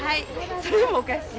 それはおかしい。